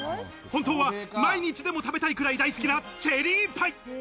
本当は毎日でも食べたいくらい大好きなチェリーパイ。